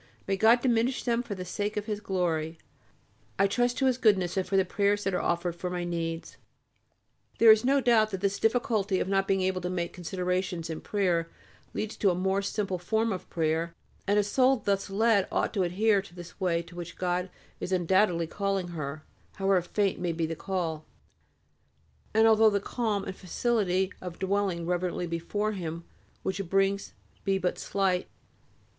May God diminish them for the sake of His glory. I trust to His Goodness and to the prayers that are offered for my needs.... There is no doubt that this difficulty of not being able to make considerations in prayer leads to a more simple form of prayer, and a soul thus led ought to adhere to this way to which God is undoubtedly calling her, however faint may be the call, and although the calm and facility of dwelling reverently before Him which it brings be but slight.